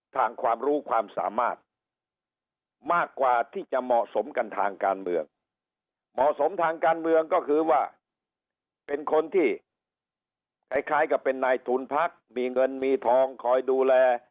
ความรู้ความสามารถมากกว่าที่จะเหมาะสมกันทางการเมืองเหมาะสมทางการเมืองก็คือว่าเป็นคนที่คล้ายกับเป็นนายทุนพักมีเงินมีทองคอยดูแล